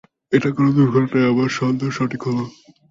এটা কোন দুর্ঘটনা না, আমার সন্দেহ সঠিক হলো।